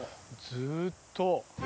ずっと。